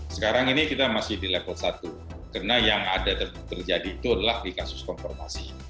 sekarang ini kita masih di level satu karena yang ada terjadi itu adalah di kasus konformasi